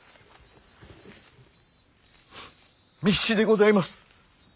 密旨でございます。